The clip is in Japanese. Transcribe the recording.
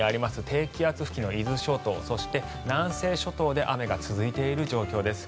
低気圧付近の伊豆諸島そして南西諸島で雨が続いている状況です。